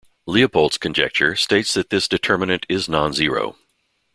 "Leopoldt's conjecture" states that this determinant is non-zero.